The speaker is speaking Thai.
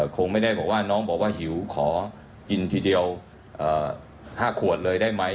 คงไม่ได้บอกว่าน้องบอกว่าหิวขอกินทีเดียว๕ขวดเลยได้ไหม